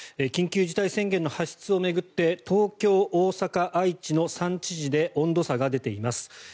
緊急事態宣言の発出を巡って東京、大阪、愛知の３知事で温度差が出ています。